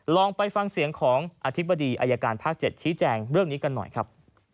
ลองไปฟังเสียงของอธิบดีอายการภาค๗ชี้แจงเรื่องนี้กันหน่อยครับ